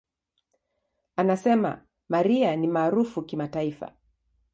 Anasema, "Mariah ni maarufu kimataifa.